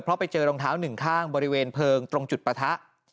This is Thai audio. เพราะไปเจอรองเท้าหนึ่งข้างบริเวณเพลิงตรงจุดปะทะ